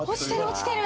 落ちてる！